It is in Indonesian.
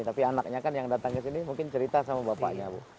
tapi anaknya kan yang datang ke sini mungkin cerita sama bapaknya bu